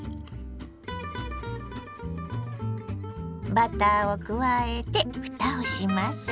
バターを加えてふたをします。